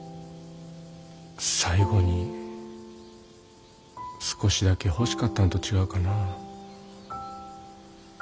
最後に少しだけ欲しかったんと違うかなあ。